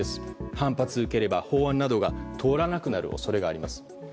反発を受ければ法案などが通らなくなる恐れがあります。